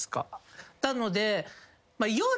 なので。